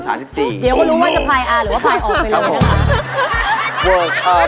เดี๋ยวก็รู้ว่าจะพายอาหรือว่าพายออกไปเลยนะคะ